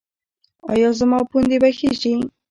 ایا زما پوندې به ښې شي؟